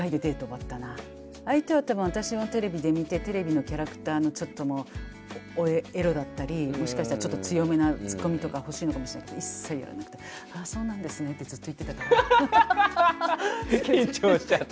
相手は多分私をテレビで見てテレビのキャラクターのちょっともうエロだったりもしかしたらちょっと強めなツッコミとか欲しいのかもしれないけど一切やらなくて緊張しちゃって。